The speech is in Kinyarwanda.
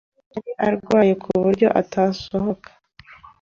Yari arwaye, ku buryo atasohoka.